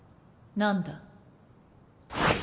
何だ？